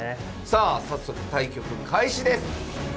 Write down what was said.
さあ早速対局開始です。